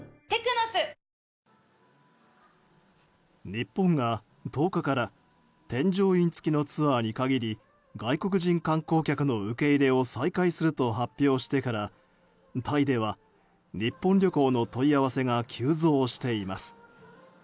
日本が１０日から添乗員付きのツアーに限り外国人観光客の受け入れを再開すると発表してからタイでは、日本旅行の問い合わせが急増しています。